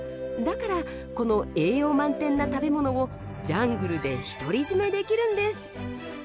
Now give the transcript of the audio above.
だからこの栄養満点な食べ物をジャングルで独り占めできるんです。